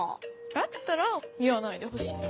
だったら言わないでほしい。